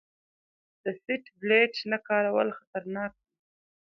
د سیټ بیلټ نه کارول خطرناک دي.